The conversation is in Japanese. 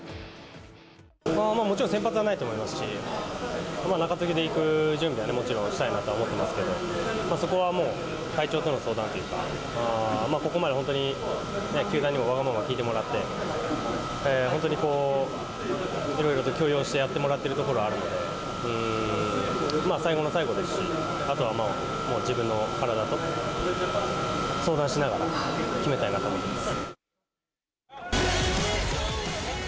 まあ、もちろん先発はないと思いますし、中継ぎでいく準備はもちろんしたいなとは思ってますけど、そこはもう、体調との相談っていうか、ここまで本当に球団にもわがまま聞いてもらって、本当にこう、いろいろと許容してやってもらってるところがあるので、最後の最後ですし、あとはもう自分の体と相談しながら決めたいなと思います。